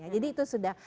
jadi itu sudah